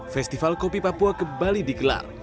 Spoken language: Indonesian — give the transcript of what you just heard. festival kopi papua kembali digelar